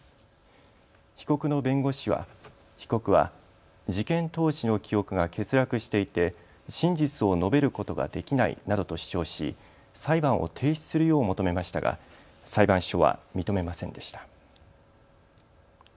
被告の弁護士は、被告は事件当時の記憶が欠落していて真実を述べることができないなどと主張し、裁判を停止するよう求めましたが裁判所は認めませんでした。